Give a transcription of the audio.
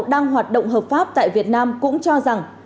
đang hoạt động hợp pháp tại việt nam cũng cho rằng